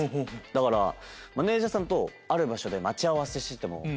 だからマネジャーさんとある場所で待ち合わせしても。